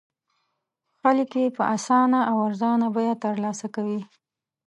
خلک یې په اسانه او ارزانه بیه تر لاسه کوي.